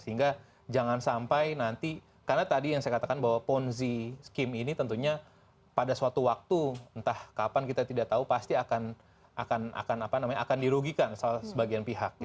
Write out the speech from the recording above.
sehingga jangan sampai nanti karena tadi yang saya katakan bahwa ponzi skim ini tentunya pada suatu waktu entah kapan kita tidak tahu pasti akan dirugikan sebagian pihak